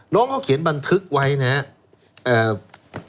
น้องเขาเขียนบันทึกไว้นะครับ